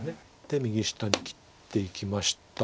で右下に切っていきました。